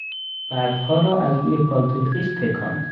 برفها را از روی پالتوی خویش تکاند.